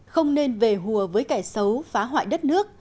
không nên về hùa với kẻ xấu phá hoại đất nước